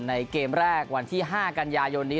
เกมแรกวันที่๕กันยายนนี้